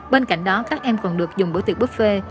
bên cạnh đó các em còn được dùng bữa tiệc buffet